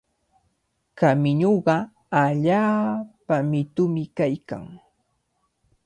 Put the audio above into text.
Kamiñuqa allaapa mitumi kaykan.